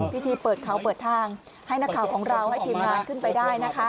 พิธีเปิดเขาเปิดทางให้นักข่าวของเราให้ทีมงานขึ้นไปได้นะคะ